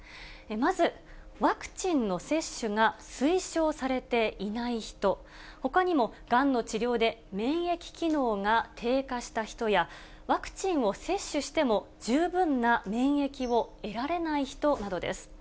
まず、ワクチンの接種が推奨されていない人、ほかにもがんの治療で免疫機能が低下した人や、ワクチンを接種しても十分な免疫を得られない人などです。